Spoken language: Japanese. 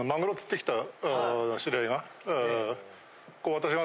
私が。